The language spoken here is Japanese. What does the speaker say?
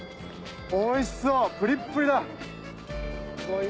おいしそうプリップリだ。